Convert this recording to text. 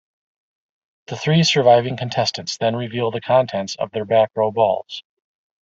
The three surviving contestants then reveal the contents of their back-row balls.